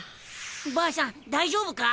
ばあさん大丈夫か？